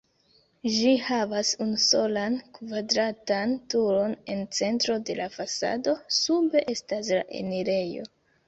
Ĝi havas unusolan kvadratan turon en centro de la fasado, sube estas la enirejo.